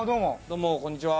どうもこんにちは。